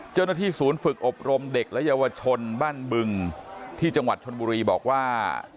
เจ้าหน้าที่ศูนย์ฝึกอบรมเด็กและเยาวชนบ้านบึงที่จังหวัดชนบุรีบอกว่า